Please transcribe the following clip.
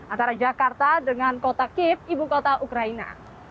antara jakarta dengan kota kiev ibu kota ukraina